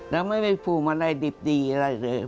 แล้วไม่ได้ภูมิมาลัยดิบดีอะไรเลย